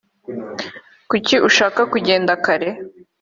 kuki ushaka kugenda kare